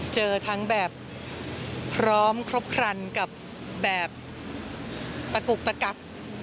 เจอทั้งแบบพร้อมครบครันกับแบบตะกุกตะกัก